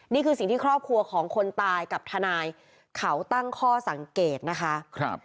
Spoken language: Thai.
นี่คือสิ่งที่ครอบครัวของคนตายกับทนายเขาตั้งข้อสังเกตนะคะ